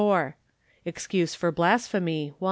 4 Excuse for blasphemy